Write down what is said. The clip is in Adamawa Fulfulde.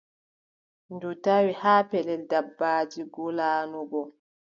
Ndu tawi haa pellel dabbaaji ngoolaano go,